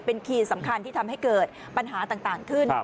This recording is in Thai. เป็นคีย์สำคัญที่ทำให้เกิดปัญหาต่างขึ้น